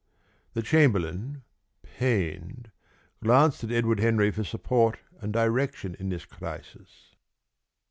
The chamberlain, pained, glanced at Edward Henry for support and direction in this crisis.